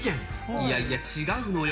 いやいや、違うのよ。